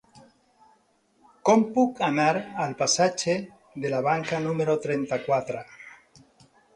Com puc anar al passatge de la Banca número trenta-quatre?